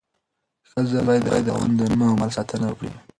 ښځه باید د خاوند د نوم او مال ساتنه وکړي.